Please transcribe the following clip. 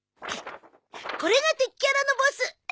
これが敵キャラのボス。